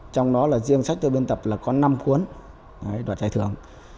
trong đó là riêng sách tôi biên tập là có năm cuốn đoạt giải thưởng